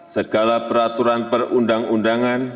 segala peraturan perundang undangan